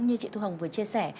như chị thu hồng vừa chia sẻ